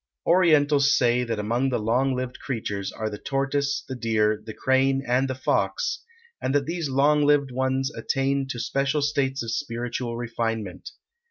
Orientals say that among the long lived creatures are the tortoise, the deer, the crane and the fox, and that these long lived ones attain to special states of spiritual refinement.